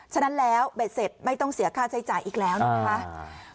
ฉะนั้นแล้วเบ็ดเสร็จไม่ต้องเสียค่าใช้จ่ายอีกแล้วนะคะ